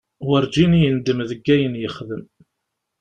Werǧin yendem deg wayen yexdem.